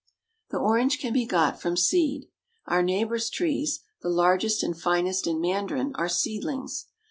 The orange can be got from seed. Our neighbor's trees, the largest and finest in Mandarin, are seedlings.